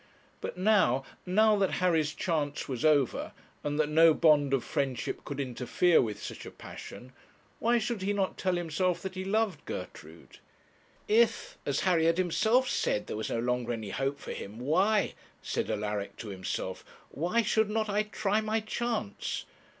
But now, now that Harry's chance was over, and that no bond of friendship could interfere with such a passion, why should he not tell himself that he loved Gertrude? 'If, as Harry had himself said, there was no longer any hope for him, why,' said Alaric to himself, 'why should not I try my chance?'